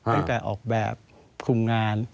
ตั้งแต่ออกแบบคุมงาน